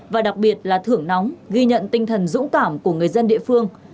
và đặc biệt là thưởng nóng ghi nhận tinh thần dũng cảm của người dân địa phương